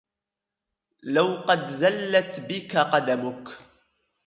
لَوْ قَدْ زَلَّتْ بِك قَدَمُك